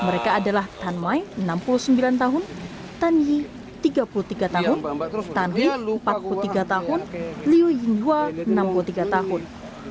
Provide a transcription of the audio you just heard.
mereka adalah tan mai enam puluh sembilan tahun tan yi tiga puluh tiga tahun tanhi empat puluh tiga tahun liu yinghua enam puluh tiga tahun